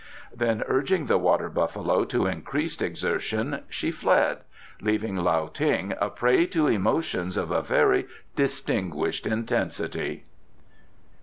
Then urging the water buffalo to increased exertion she fled, leaving Lao Ting a prey to emotions of a very distinguished intensity.